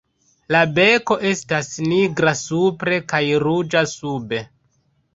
La beko estas nigra supre kaj ruĝa sube.